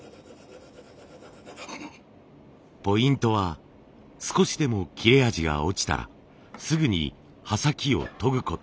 ポイントは少しでも切れ味が落ちたらすぐに刃先を研ぐこと。